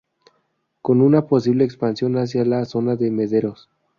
Con una posible expansión hacia la Zona de Mederos.